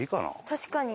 確かに。